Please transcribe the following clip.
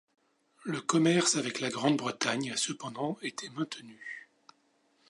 Le commerce avec la Grande-Bretagne a cependant été maintenu.